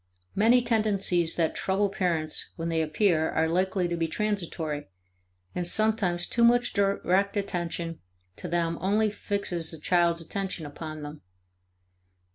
Many tendencies that trouble parents when they appear are likely to be transitory, and sometimes too much direct attention to them only fixes a child's attention upon them.